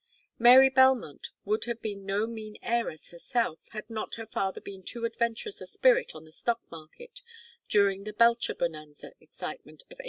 Mary Belmont would have been no mean heiress herself had not her father been too adventurous a spirit on the stock market during the Belcher Bonanza excitement of 1872.